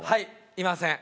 いません。